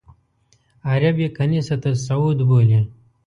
عرب یې کنیسۃ الصعود بولي.